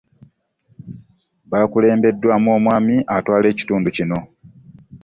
Baakulembeddwamu omwami atwala ekitundu kino.